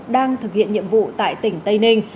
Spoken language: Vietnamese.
đang thực hiện nhiệm vụ tại tỉnh tây ninh